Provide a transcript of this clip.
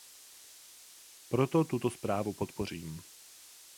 Proto tuto zprávu podpořím.